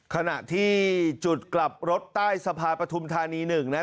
ขณะที่จุดกลับรถใต้สภาพพระธุมธานี๑นะครับ